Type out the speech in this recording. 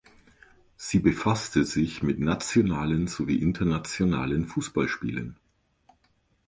Sie befasste sich mit nationalen sowie internationalen Fußballspielen.